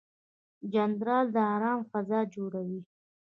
جانداد د ارام فضا جوړوي.